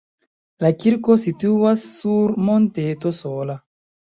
La kirko situas sur monteto sola.